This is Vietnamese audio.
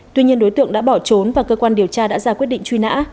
tuy nhiên đối tượng đã bỏ trốn và cơ quan điều tra đã ra quyết định truy nã